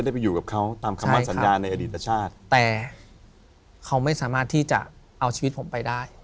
ผมไปได้เพราะ